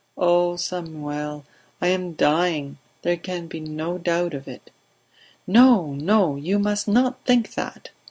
"O Samuel, I am dying, there can be no doubt of it." "No! No! You must not think that."